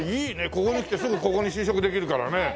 ここに来てすぐここに就職できるからね。